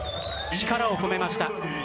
力を込めました。